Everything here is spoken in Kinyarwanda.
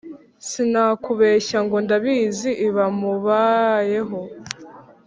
Sinakubeshya ngo ndabizi ibamubayeho